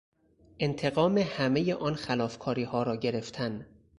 انتقام همهی آن خلافکاریها را گرفتن